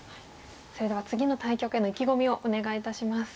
それでは次の対局への意気込みをお願いいたします。